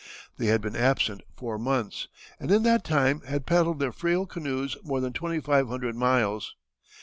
They had been absent four months, and in that time had paddled their frail canoes more than twenty five hundred miles.